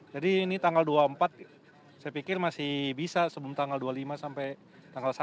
jadi ini tanggal dua puluh empat saya pikir masih bisa sebelum tanggal dua puluh lima sampai tanggal satu